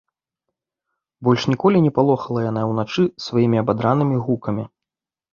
Больш ніколі не палохала яна ўначы сваімі абадранымі гукамі.